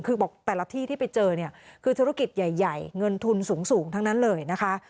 คือบอกแต่ละที่ที่ไปเจอเนี่ยคือธุรกิจใหญ่เงินทุนสูงทั้งนั้นเลยนะคะ